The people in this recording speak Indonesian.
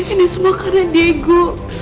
ini semua karena diego